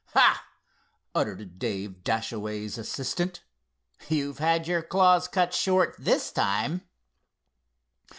"Hah!" uttered Dave Dashaway's assistant—"you've had your claws cut short this time!"